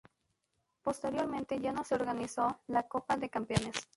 Posteriormente ya no se organizó la Copa de Campeones.